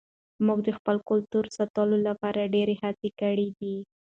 موږ د خپل کلتور ساتلو لپاره ډېرې هڅې کړې دي.